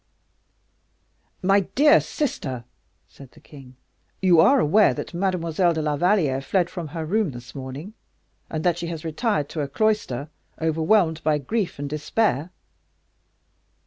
"My dear sister," said the king, "you are aware that Mademoiselle de la Valliere fled from her own room this morning, and that she has retired to a cloister, overwhelmed by grief and despair."